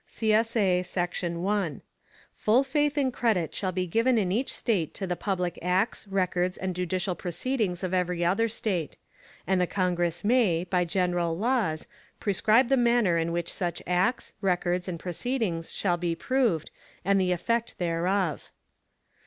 [CSA] Section 1. Full faith and credit shall be given in each State to the public acts, records, and judicial proceedings of every other State. And the Congress may, by general laws, prescribe the manner in which such acts, records, and proceedings shall be proved, and the effect thereof.